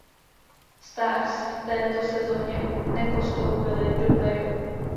Stars v této sezoně nepostoupili do playoff.